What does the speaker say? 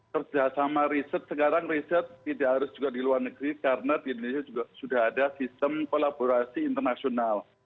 kerjasama riset sekarang riset tidak harus juga di luar negeri karena di indonesia juga sudah ada sistem kolaborasi internasional